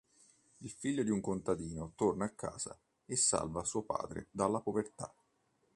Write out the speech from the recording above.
Il figlio di un contadino torna a casa e salva suo padre dalla povertà.